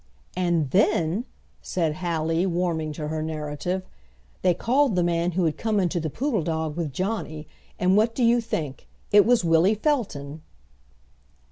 "And then," said Hallie, warming to her narrative, "they called the man who had come into the Poodle Dog with Johnny, and what do you think! it was Willie Felton."